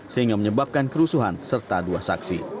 sehingga menyebabkan kerusuhan serta dua saksi